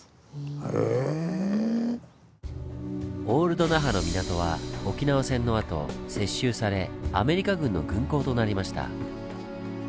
オールド那覇の港は沖縄戦のあと接収されアメリカ軍の軍港となりました。